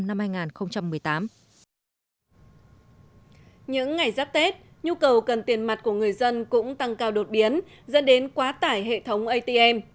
những ngày giáp tết nhu cầu cần tiền mặt của người dân cũng tăng cao đột biến dẫn đến quá tải hệ thống atm